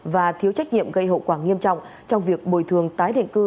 và thiếu trách nhiệm gây hậu quả nghiêm trọng trong việc bồi thường tái định cư